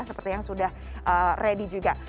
seperti yang sudah ready juga